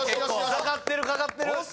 かかってるかかってる！